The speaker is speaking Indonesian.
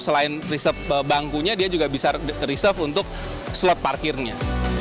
selain reserve bangkunya dia juga bisa reserve untuk slot parkirnya